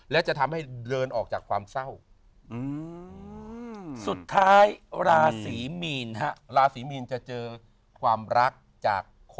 และจะทำให้เดินออกจากความเศร้า